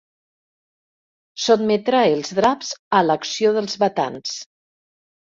Sotmetrà els draps a l'acció dels batans.